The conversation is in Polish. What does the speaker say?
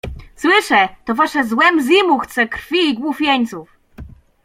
- Słyszę! — to wasze »złe Mzimu« chce krwi i głów jeńców.